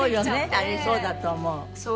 あれそうだと思う。